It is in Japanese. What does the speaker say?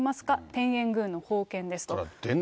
天苑宮の奉献ですと。